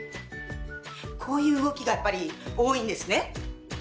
こういう動きがやっぱり多いんですね。